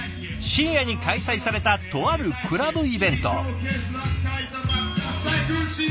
深夜に開催されたとあるクラブイベント。